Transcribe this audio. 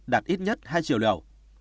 đạt ít nhất hai triệu liều